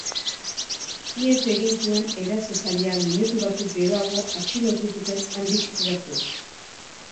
Ihes egin zuen erasotzailea minutu batzuk geroago atxilotu zuten handik gertu.